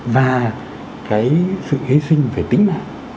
và cái sự hy sinh về tính mạng